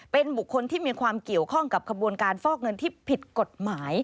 เป็นบุคคลที่มีความเกี่ยวข้องกับขบวนการฟอกเงินที่ผิดกฎหมาย